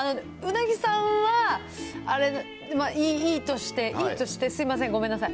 鰻さんはあれ、いいとして、いいとして、すみません、ごめんなさい。